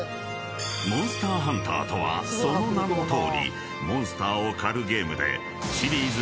［『モンスターハンター』とはその名のとおりモンスターを狩るゲームで］